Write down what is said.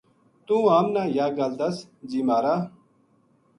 توہ ہم نا یاہ گل دس ! جی مہارا